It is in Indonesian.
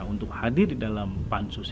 untuk hadir di dalam pan sus